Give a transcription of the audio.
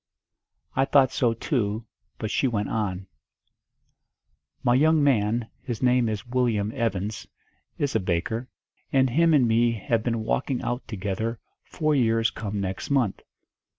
I thought so too, but she went on: "My young man, his name is Willyum Evans, is a baker, and him and me have been walking out together four years come next month.